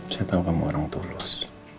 saya tahu kamu orang tulus